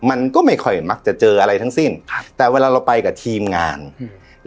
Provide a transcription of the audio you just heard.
มันก็ไม่ค่อยมักจะเจออะไรทั้งสิ้นครับแต่เวลาเราไปกับทีมงานอืม